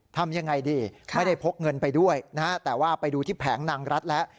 ทำยังไงดีไม่ได้พกเงินไปด้วยนะฮะแต่ว่าไปดูที่แผงนางรัฐแล้ว